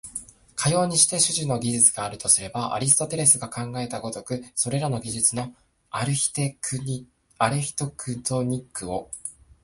かようにして種々の技術があるとすれば、アリストテレスが考えた如く、それらの技術のアルヒテクトニックを、